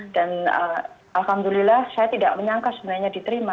dan alhamdulillah saya tidak menyangka sebenarnya diterima